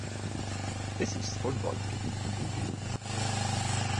Es ist von Waldgebieten umgeben.